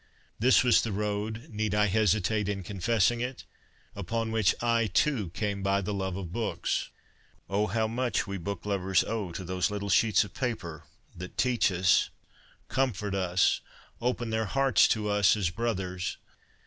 This was the road (need I hesitate in confessing it ?) upon which I, too, came by the love of books. Oh ! how much we book lovers owe to ' those little sheets of paper that teach us, comfort us, open their hearts to us as brothers.